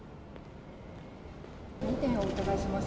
２点お伺いします。